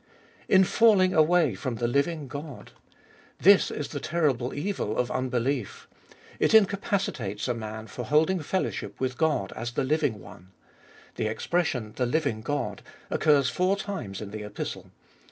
In falling away from the living God. This is the terrible Gbe Doliest of BU 129 evil of unbelief; it incapacitates a man for holding fellowship with God as the living One. The expression, the living God, occurs four times in the Epistle.